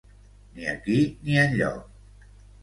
Ni aquí ni enlloc.